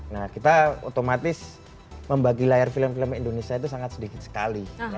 nah kita otomatis membagi layar film film indonesia itu sangat sedikit sekali